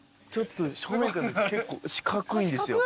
正面から見ると結構四角いですよ。